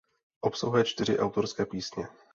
Obsahuje čtyři autorské písně.